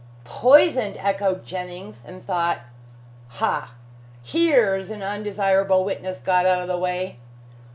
"Poisoned!" echoed Jennings, and thought "Ha! here's an undesirable witness got out of the way."